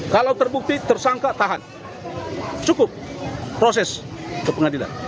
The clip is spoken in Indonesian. kalau terbukti tersangka tahan cukup proses ke pengadilan